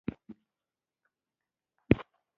• د انټرنیټ له لارې د نړۍ په کچه اړیکې ټینګې شوې.